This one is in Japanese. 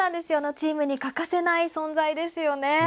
チームに欠かせない存在ですよね。